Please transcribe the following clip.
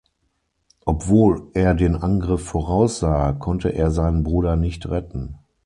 Obwohl er den Angriff voraussah, konnte er seinen Bruder nicht retten.